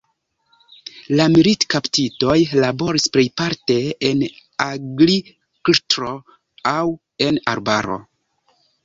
La militkaptitoj laboris plejparte en agrikltro aŭ en arbaro.